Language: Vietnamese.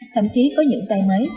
thậm chí có những tay máy